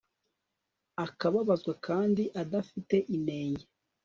akababazwa kandi adafite inenge